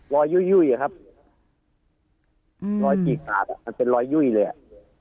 รอยยุ่ยครับรอยกี่ตามันเป็นรอยยุ่ยเลยอะ